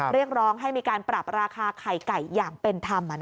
เรียกร้องให้มีการปรับราคาไข่ไก่อย่างเป็นธรรม